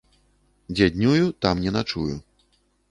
Дзе днюю, там не начую.